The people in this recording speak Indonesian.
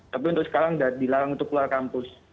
tapi untuk sekarang dilarang untuk keluar kampus